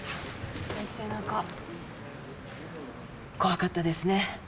怖かったですね。